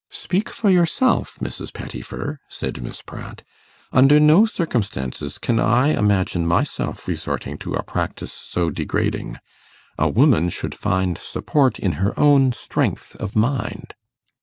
'Speak for yourself, Mrs. Pettifer,' said Miss Pratt. 'Under no circumstances can I imagine myself resorting to a practice so degrading. A woman should find support in her own strength of mind.